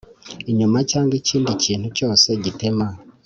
icyuma cyangwa ikindi kintu cyose gitema